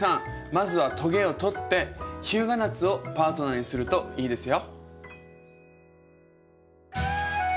まずはトゲを取ってヒュウガナツをパートナーにするといいですよ。